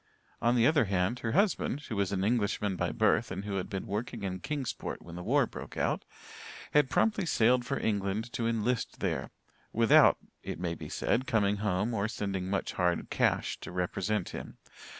On the other hand, her husband, who was an Englishman by birth and who had been working in Kingsport when the war broke out, had promptly sailed for England to enlist there, without, it may be said, coming home or sending much hard cash to represent him.